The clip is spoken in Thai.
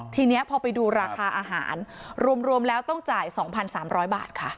ทีเนี้ยพอไปดูราคาอาหารรวมรวมแล้วต้องจ่ายสองพันสามร้อยบาทค่ะ